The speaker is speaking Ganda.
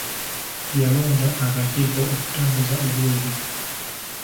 Yalonda akakiiko okutambuza obuweereza.